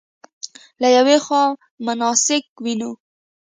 له یوې خوا مناسک وینو.